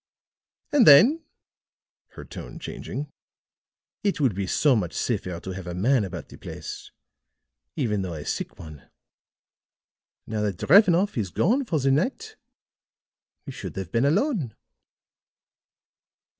And then," her tone changing, "it will be so much safer to have a man about the place even though a sick one. Now that Drevenoff is gone for the night, we should have been alone."